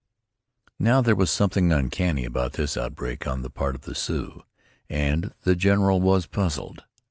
Now, there was something uncanny about this outbreak on the part of the Sioux, and the general was puzzled.